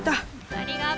ありがとう。